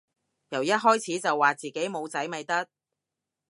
由一開始就話自己冇仔咪得